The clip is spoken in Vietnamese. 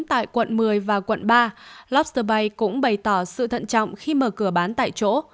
tại quận một mươi và quận ba lotte bay cũng bày tỏ sự thận trọng khi mở cửa bán tại chỗ